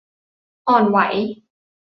อ่อนไหว